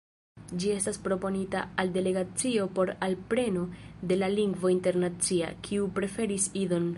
Ĝi estis proponita al Delegacio por alpreno de la lingvo internacia, kiu preferis Idon.